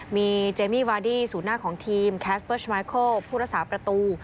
มีเจมมี่วาดี้สูตรหน้าของทีมแคสเบิร์ชไมเคิลผู้รัศาประตู